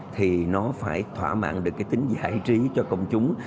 thì nó phải thỏa mãn được cái tính giải trí cho công chúng